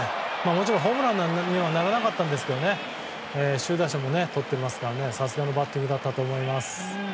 もちろんホームランにはならなかったんですけど首位打者もとってますからさすがのバッティングだったと思います。